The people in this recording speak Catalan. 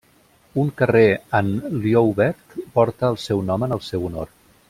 Un carrer en Ljouwert porta el seu nom en el seu honor.